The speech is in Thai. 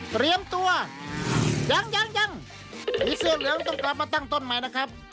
เตรียมตัวยังยังยังมีเสื้อเหลืองต้องกลับมาตั้งต้นใหม่นะครับ